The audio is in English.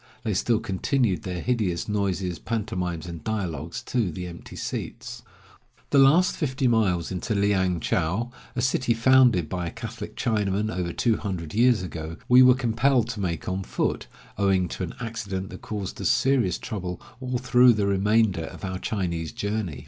They still continued their hideous noises, pantomimes, and dialogues to the empty seats. The last fifty miles into Liang chou, a city founded by a Catholic Chinaman over two hundred years ago, we were compelled to make on foot, owing to an accident that caused us serious trouble all through the remainder of our Chinese journey.